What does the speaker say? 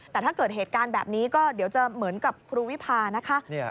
แต่ถ้าเกิดเหตุการณ์แบบนี้ก็เดี๋ยวจะเหมือนกับครูวิพานะคะ